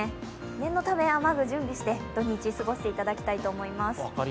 念のため雨具、準備して土日過ごしていただきたいと思います。